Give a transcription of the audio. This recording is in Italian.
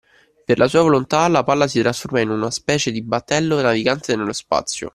Per la sua volontà la palla si trasforma in una specie di battello navigante nello spazio.